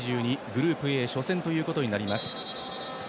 グループＡ初戦ということになります。